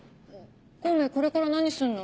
孔明これから何すんの？